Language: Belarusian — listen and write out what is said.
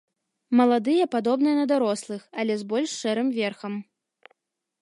Маладыя падобныя на дарослых, але з больш шэрым верхам.